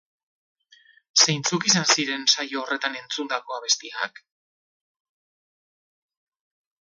Zeintzuk izan ziren saio horretan entzundako abestiak?